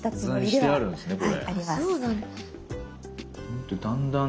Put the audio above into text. はい。